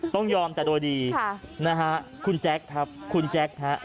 ต้องยอมแต่โดยดีนะฮะคุณแจ๊คครับคุณแจ๊คฮะ